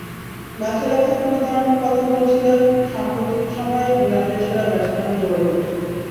ম্যাচের আগে ঘুরে দাঁড়ানোর কথা বলেছিলেন সাম্প্রতিক সময়ে ইংল্যান্ডের সেরা ব্যাটসম্যান জো রুট।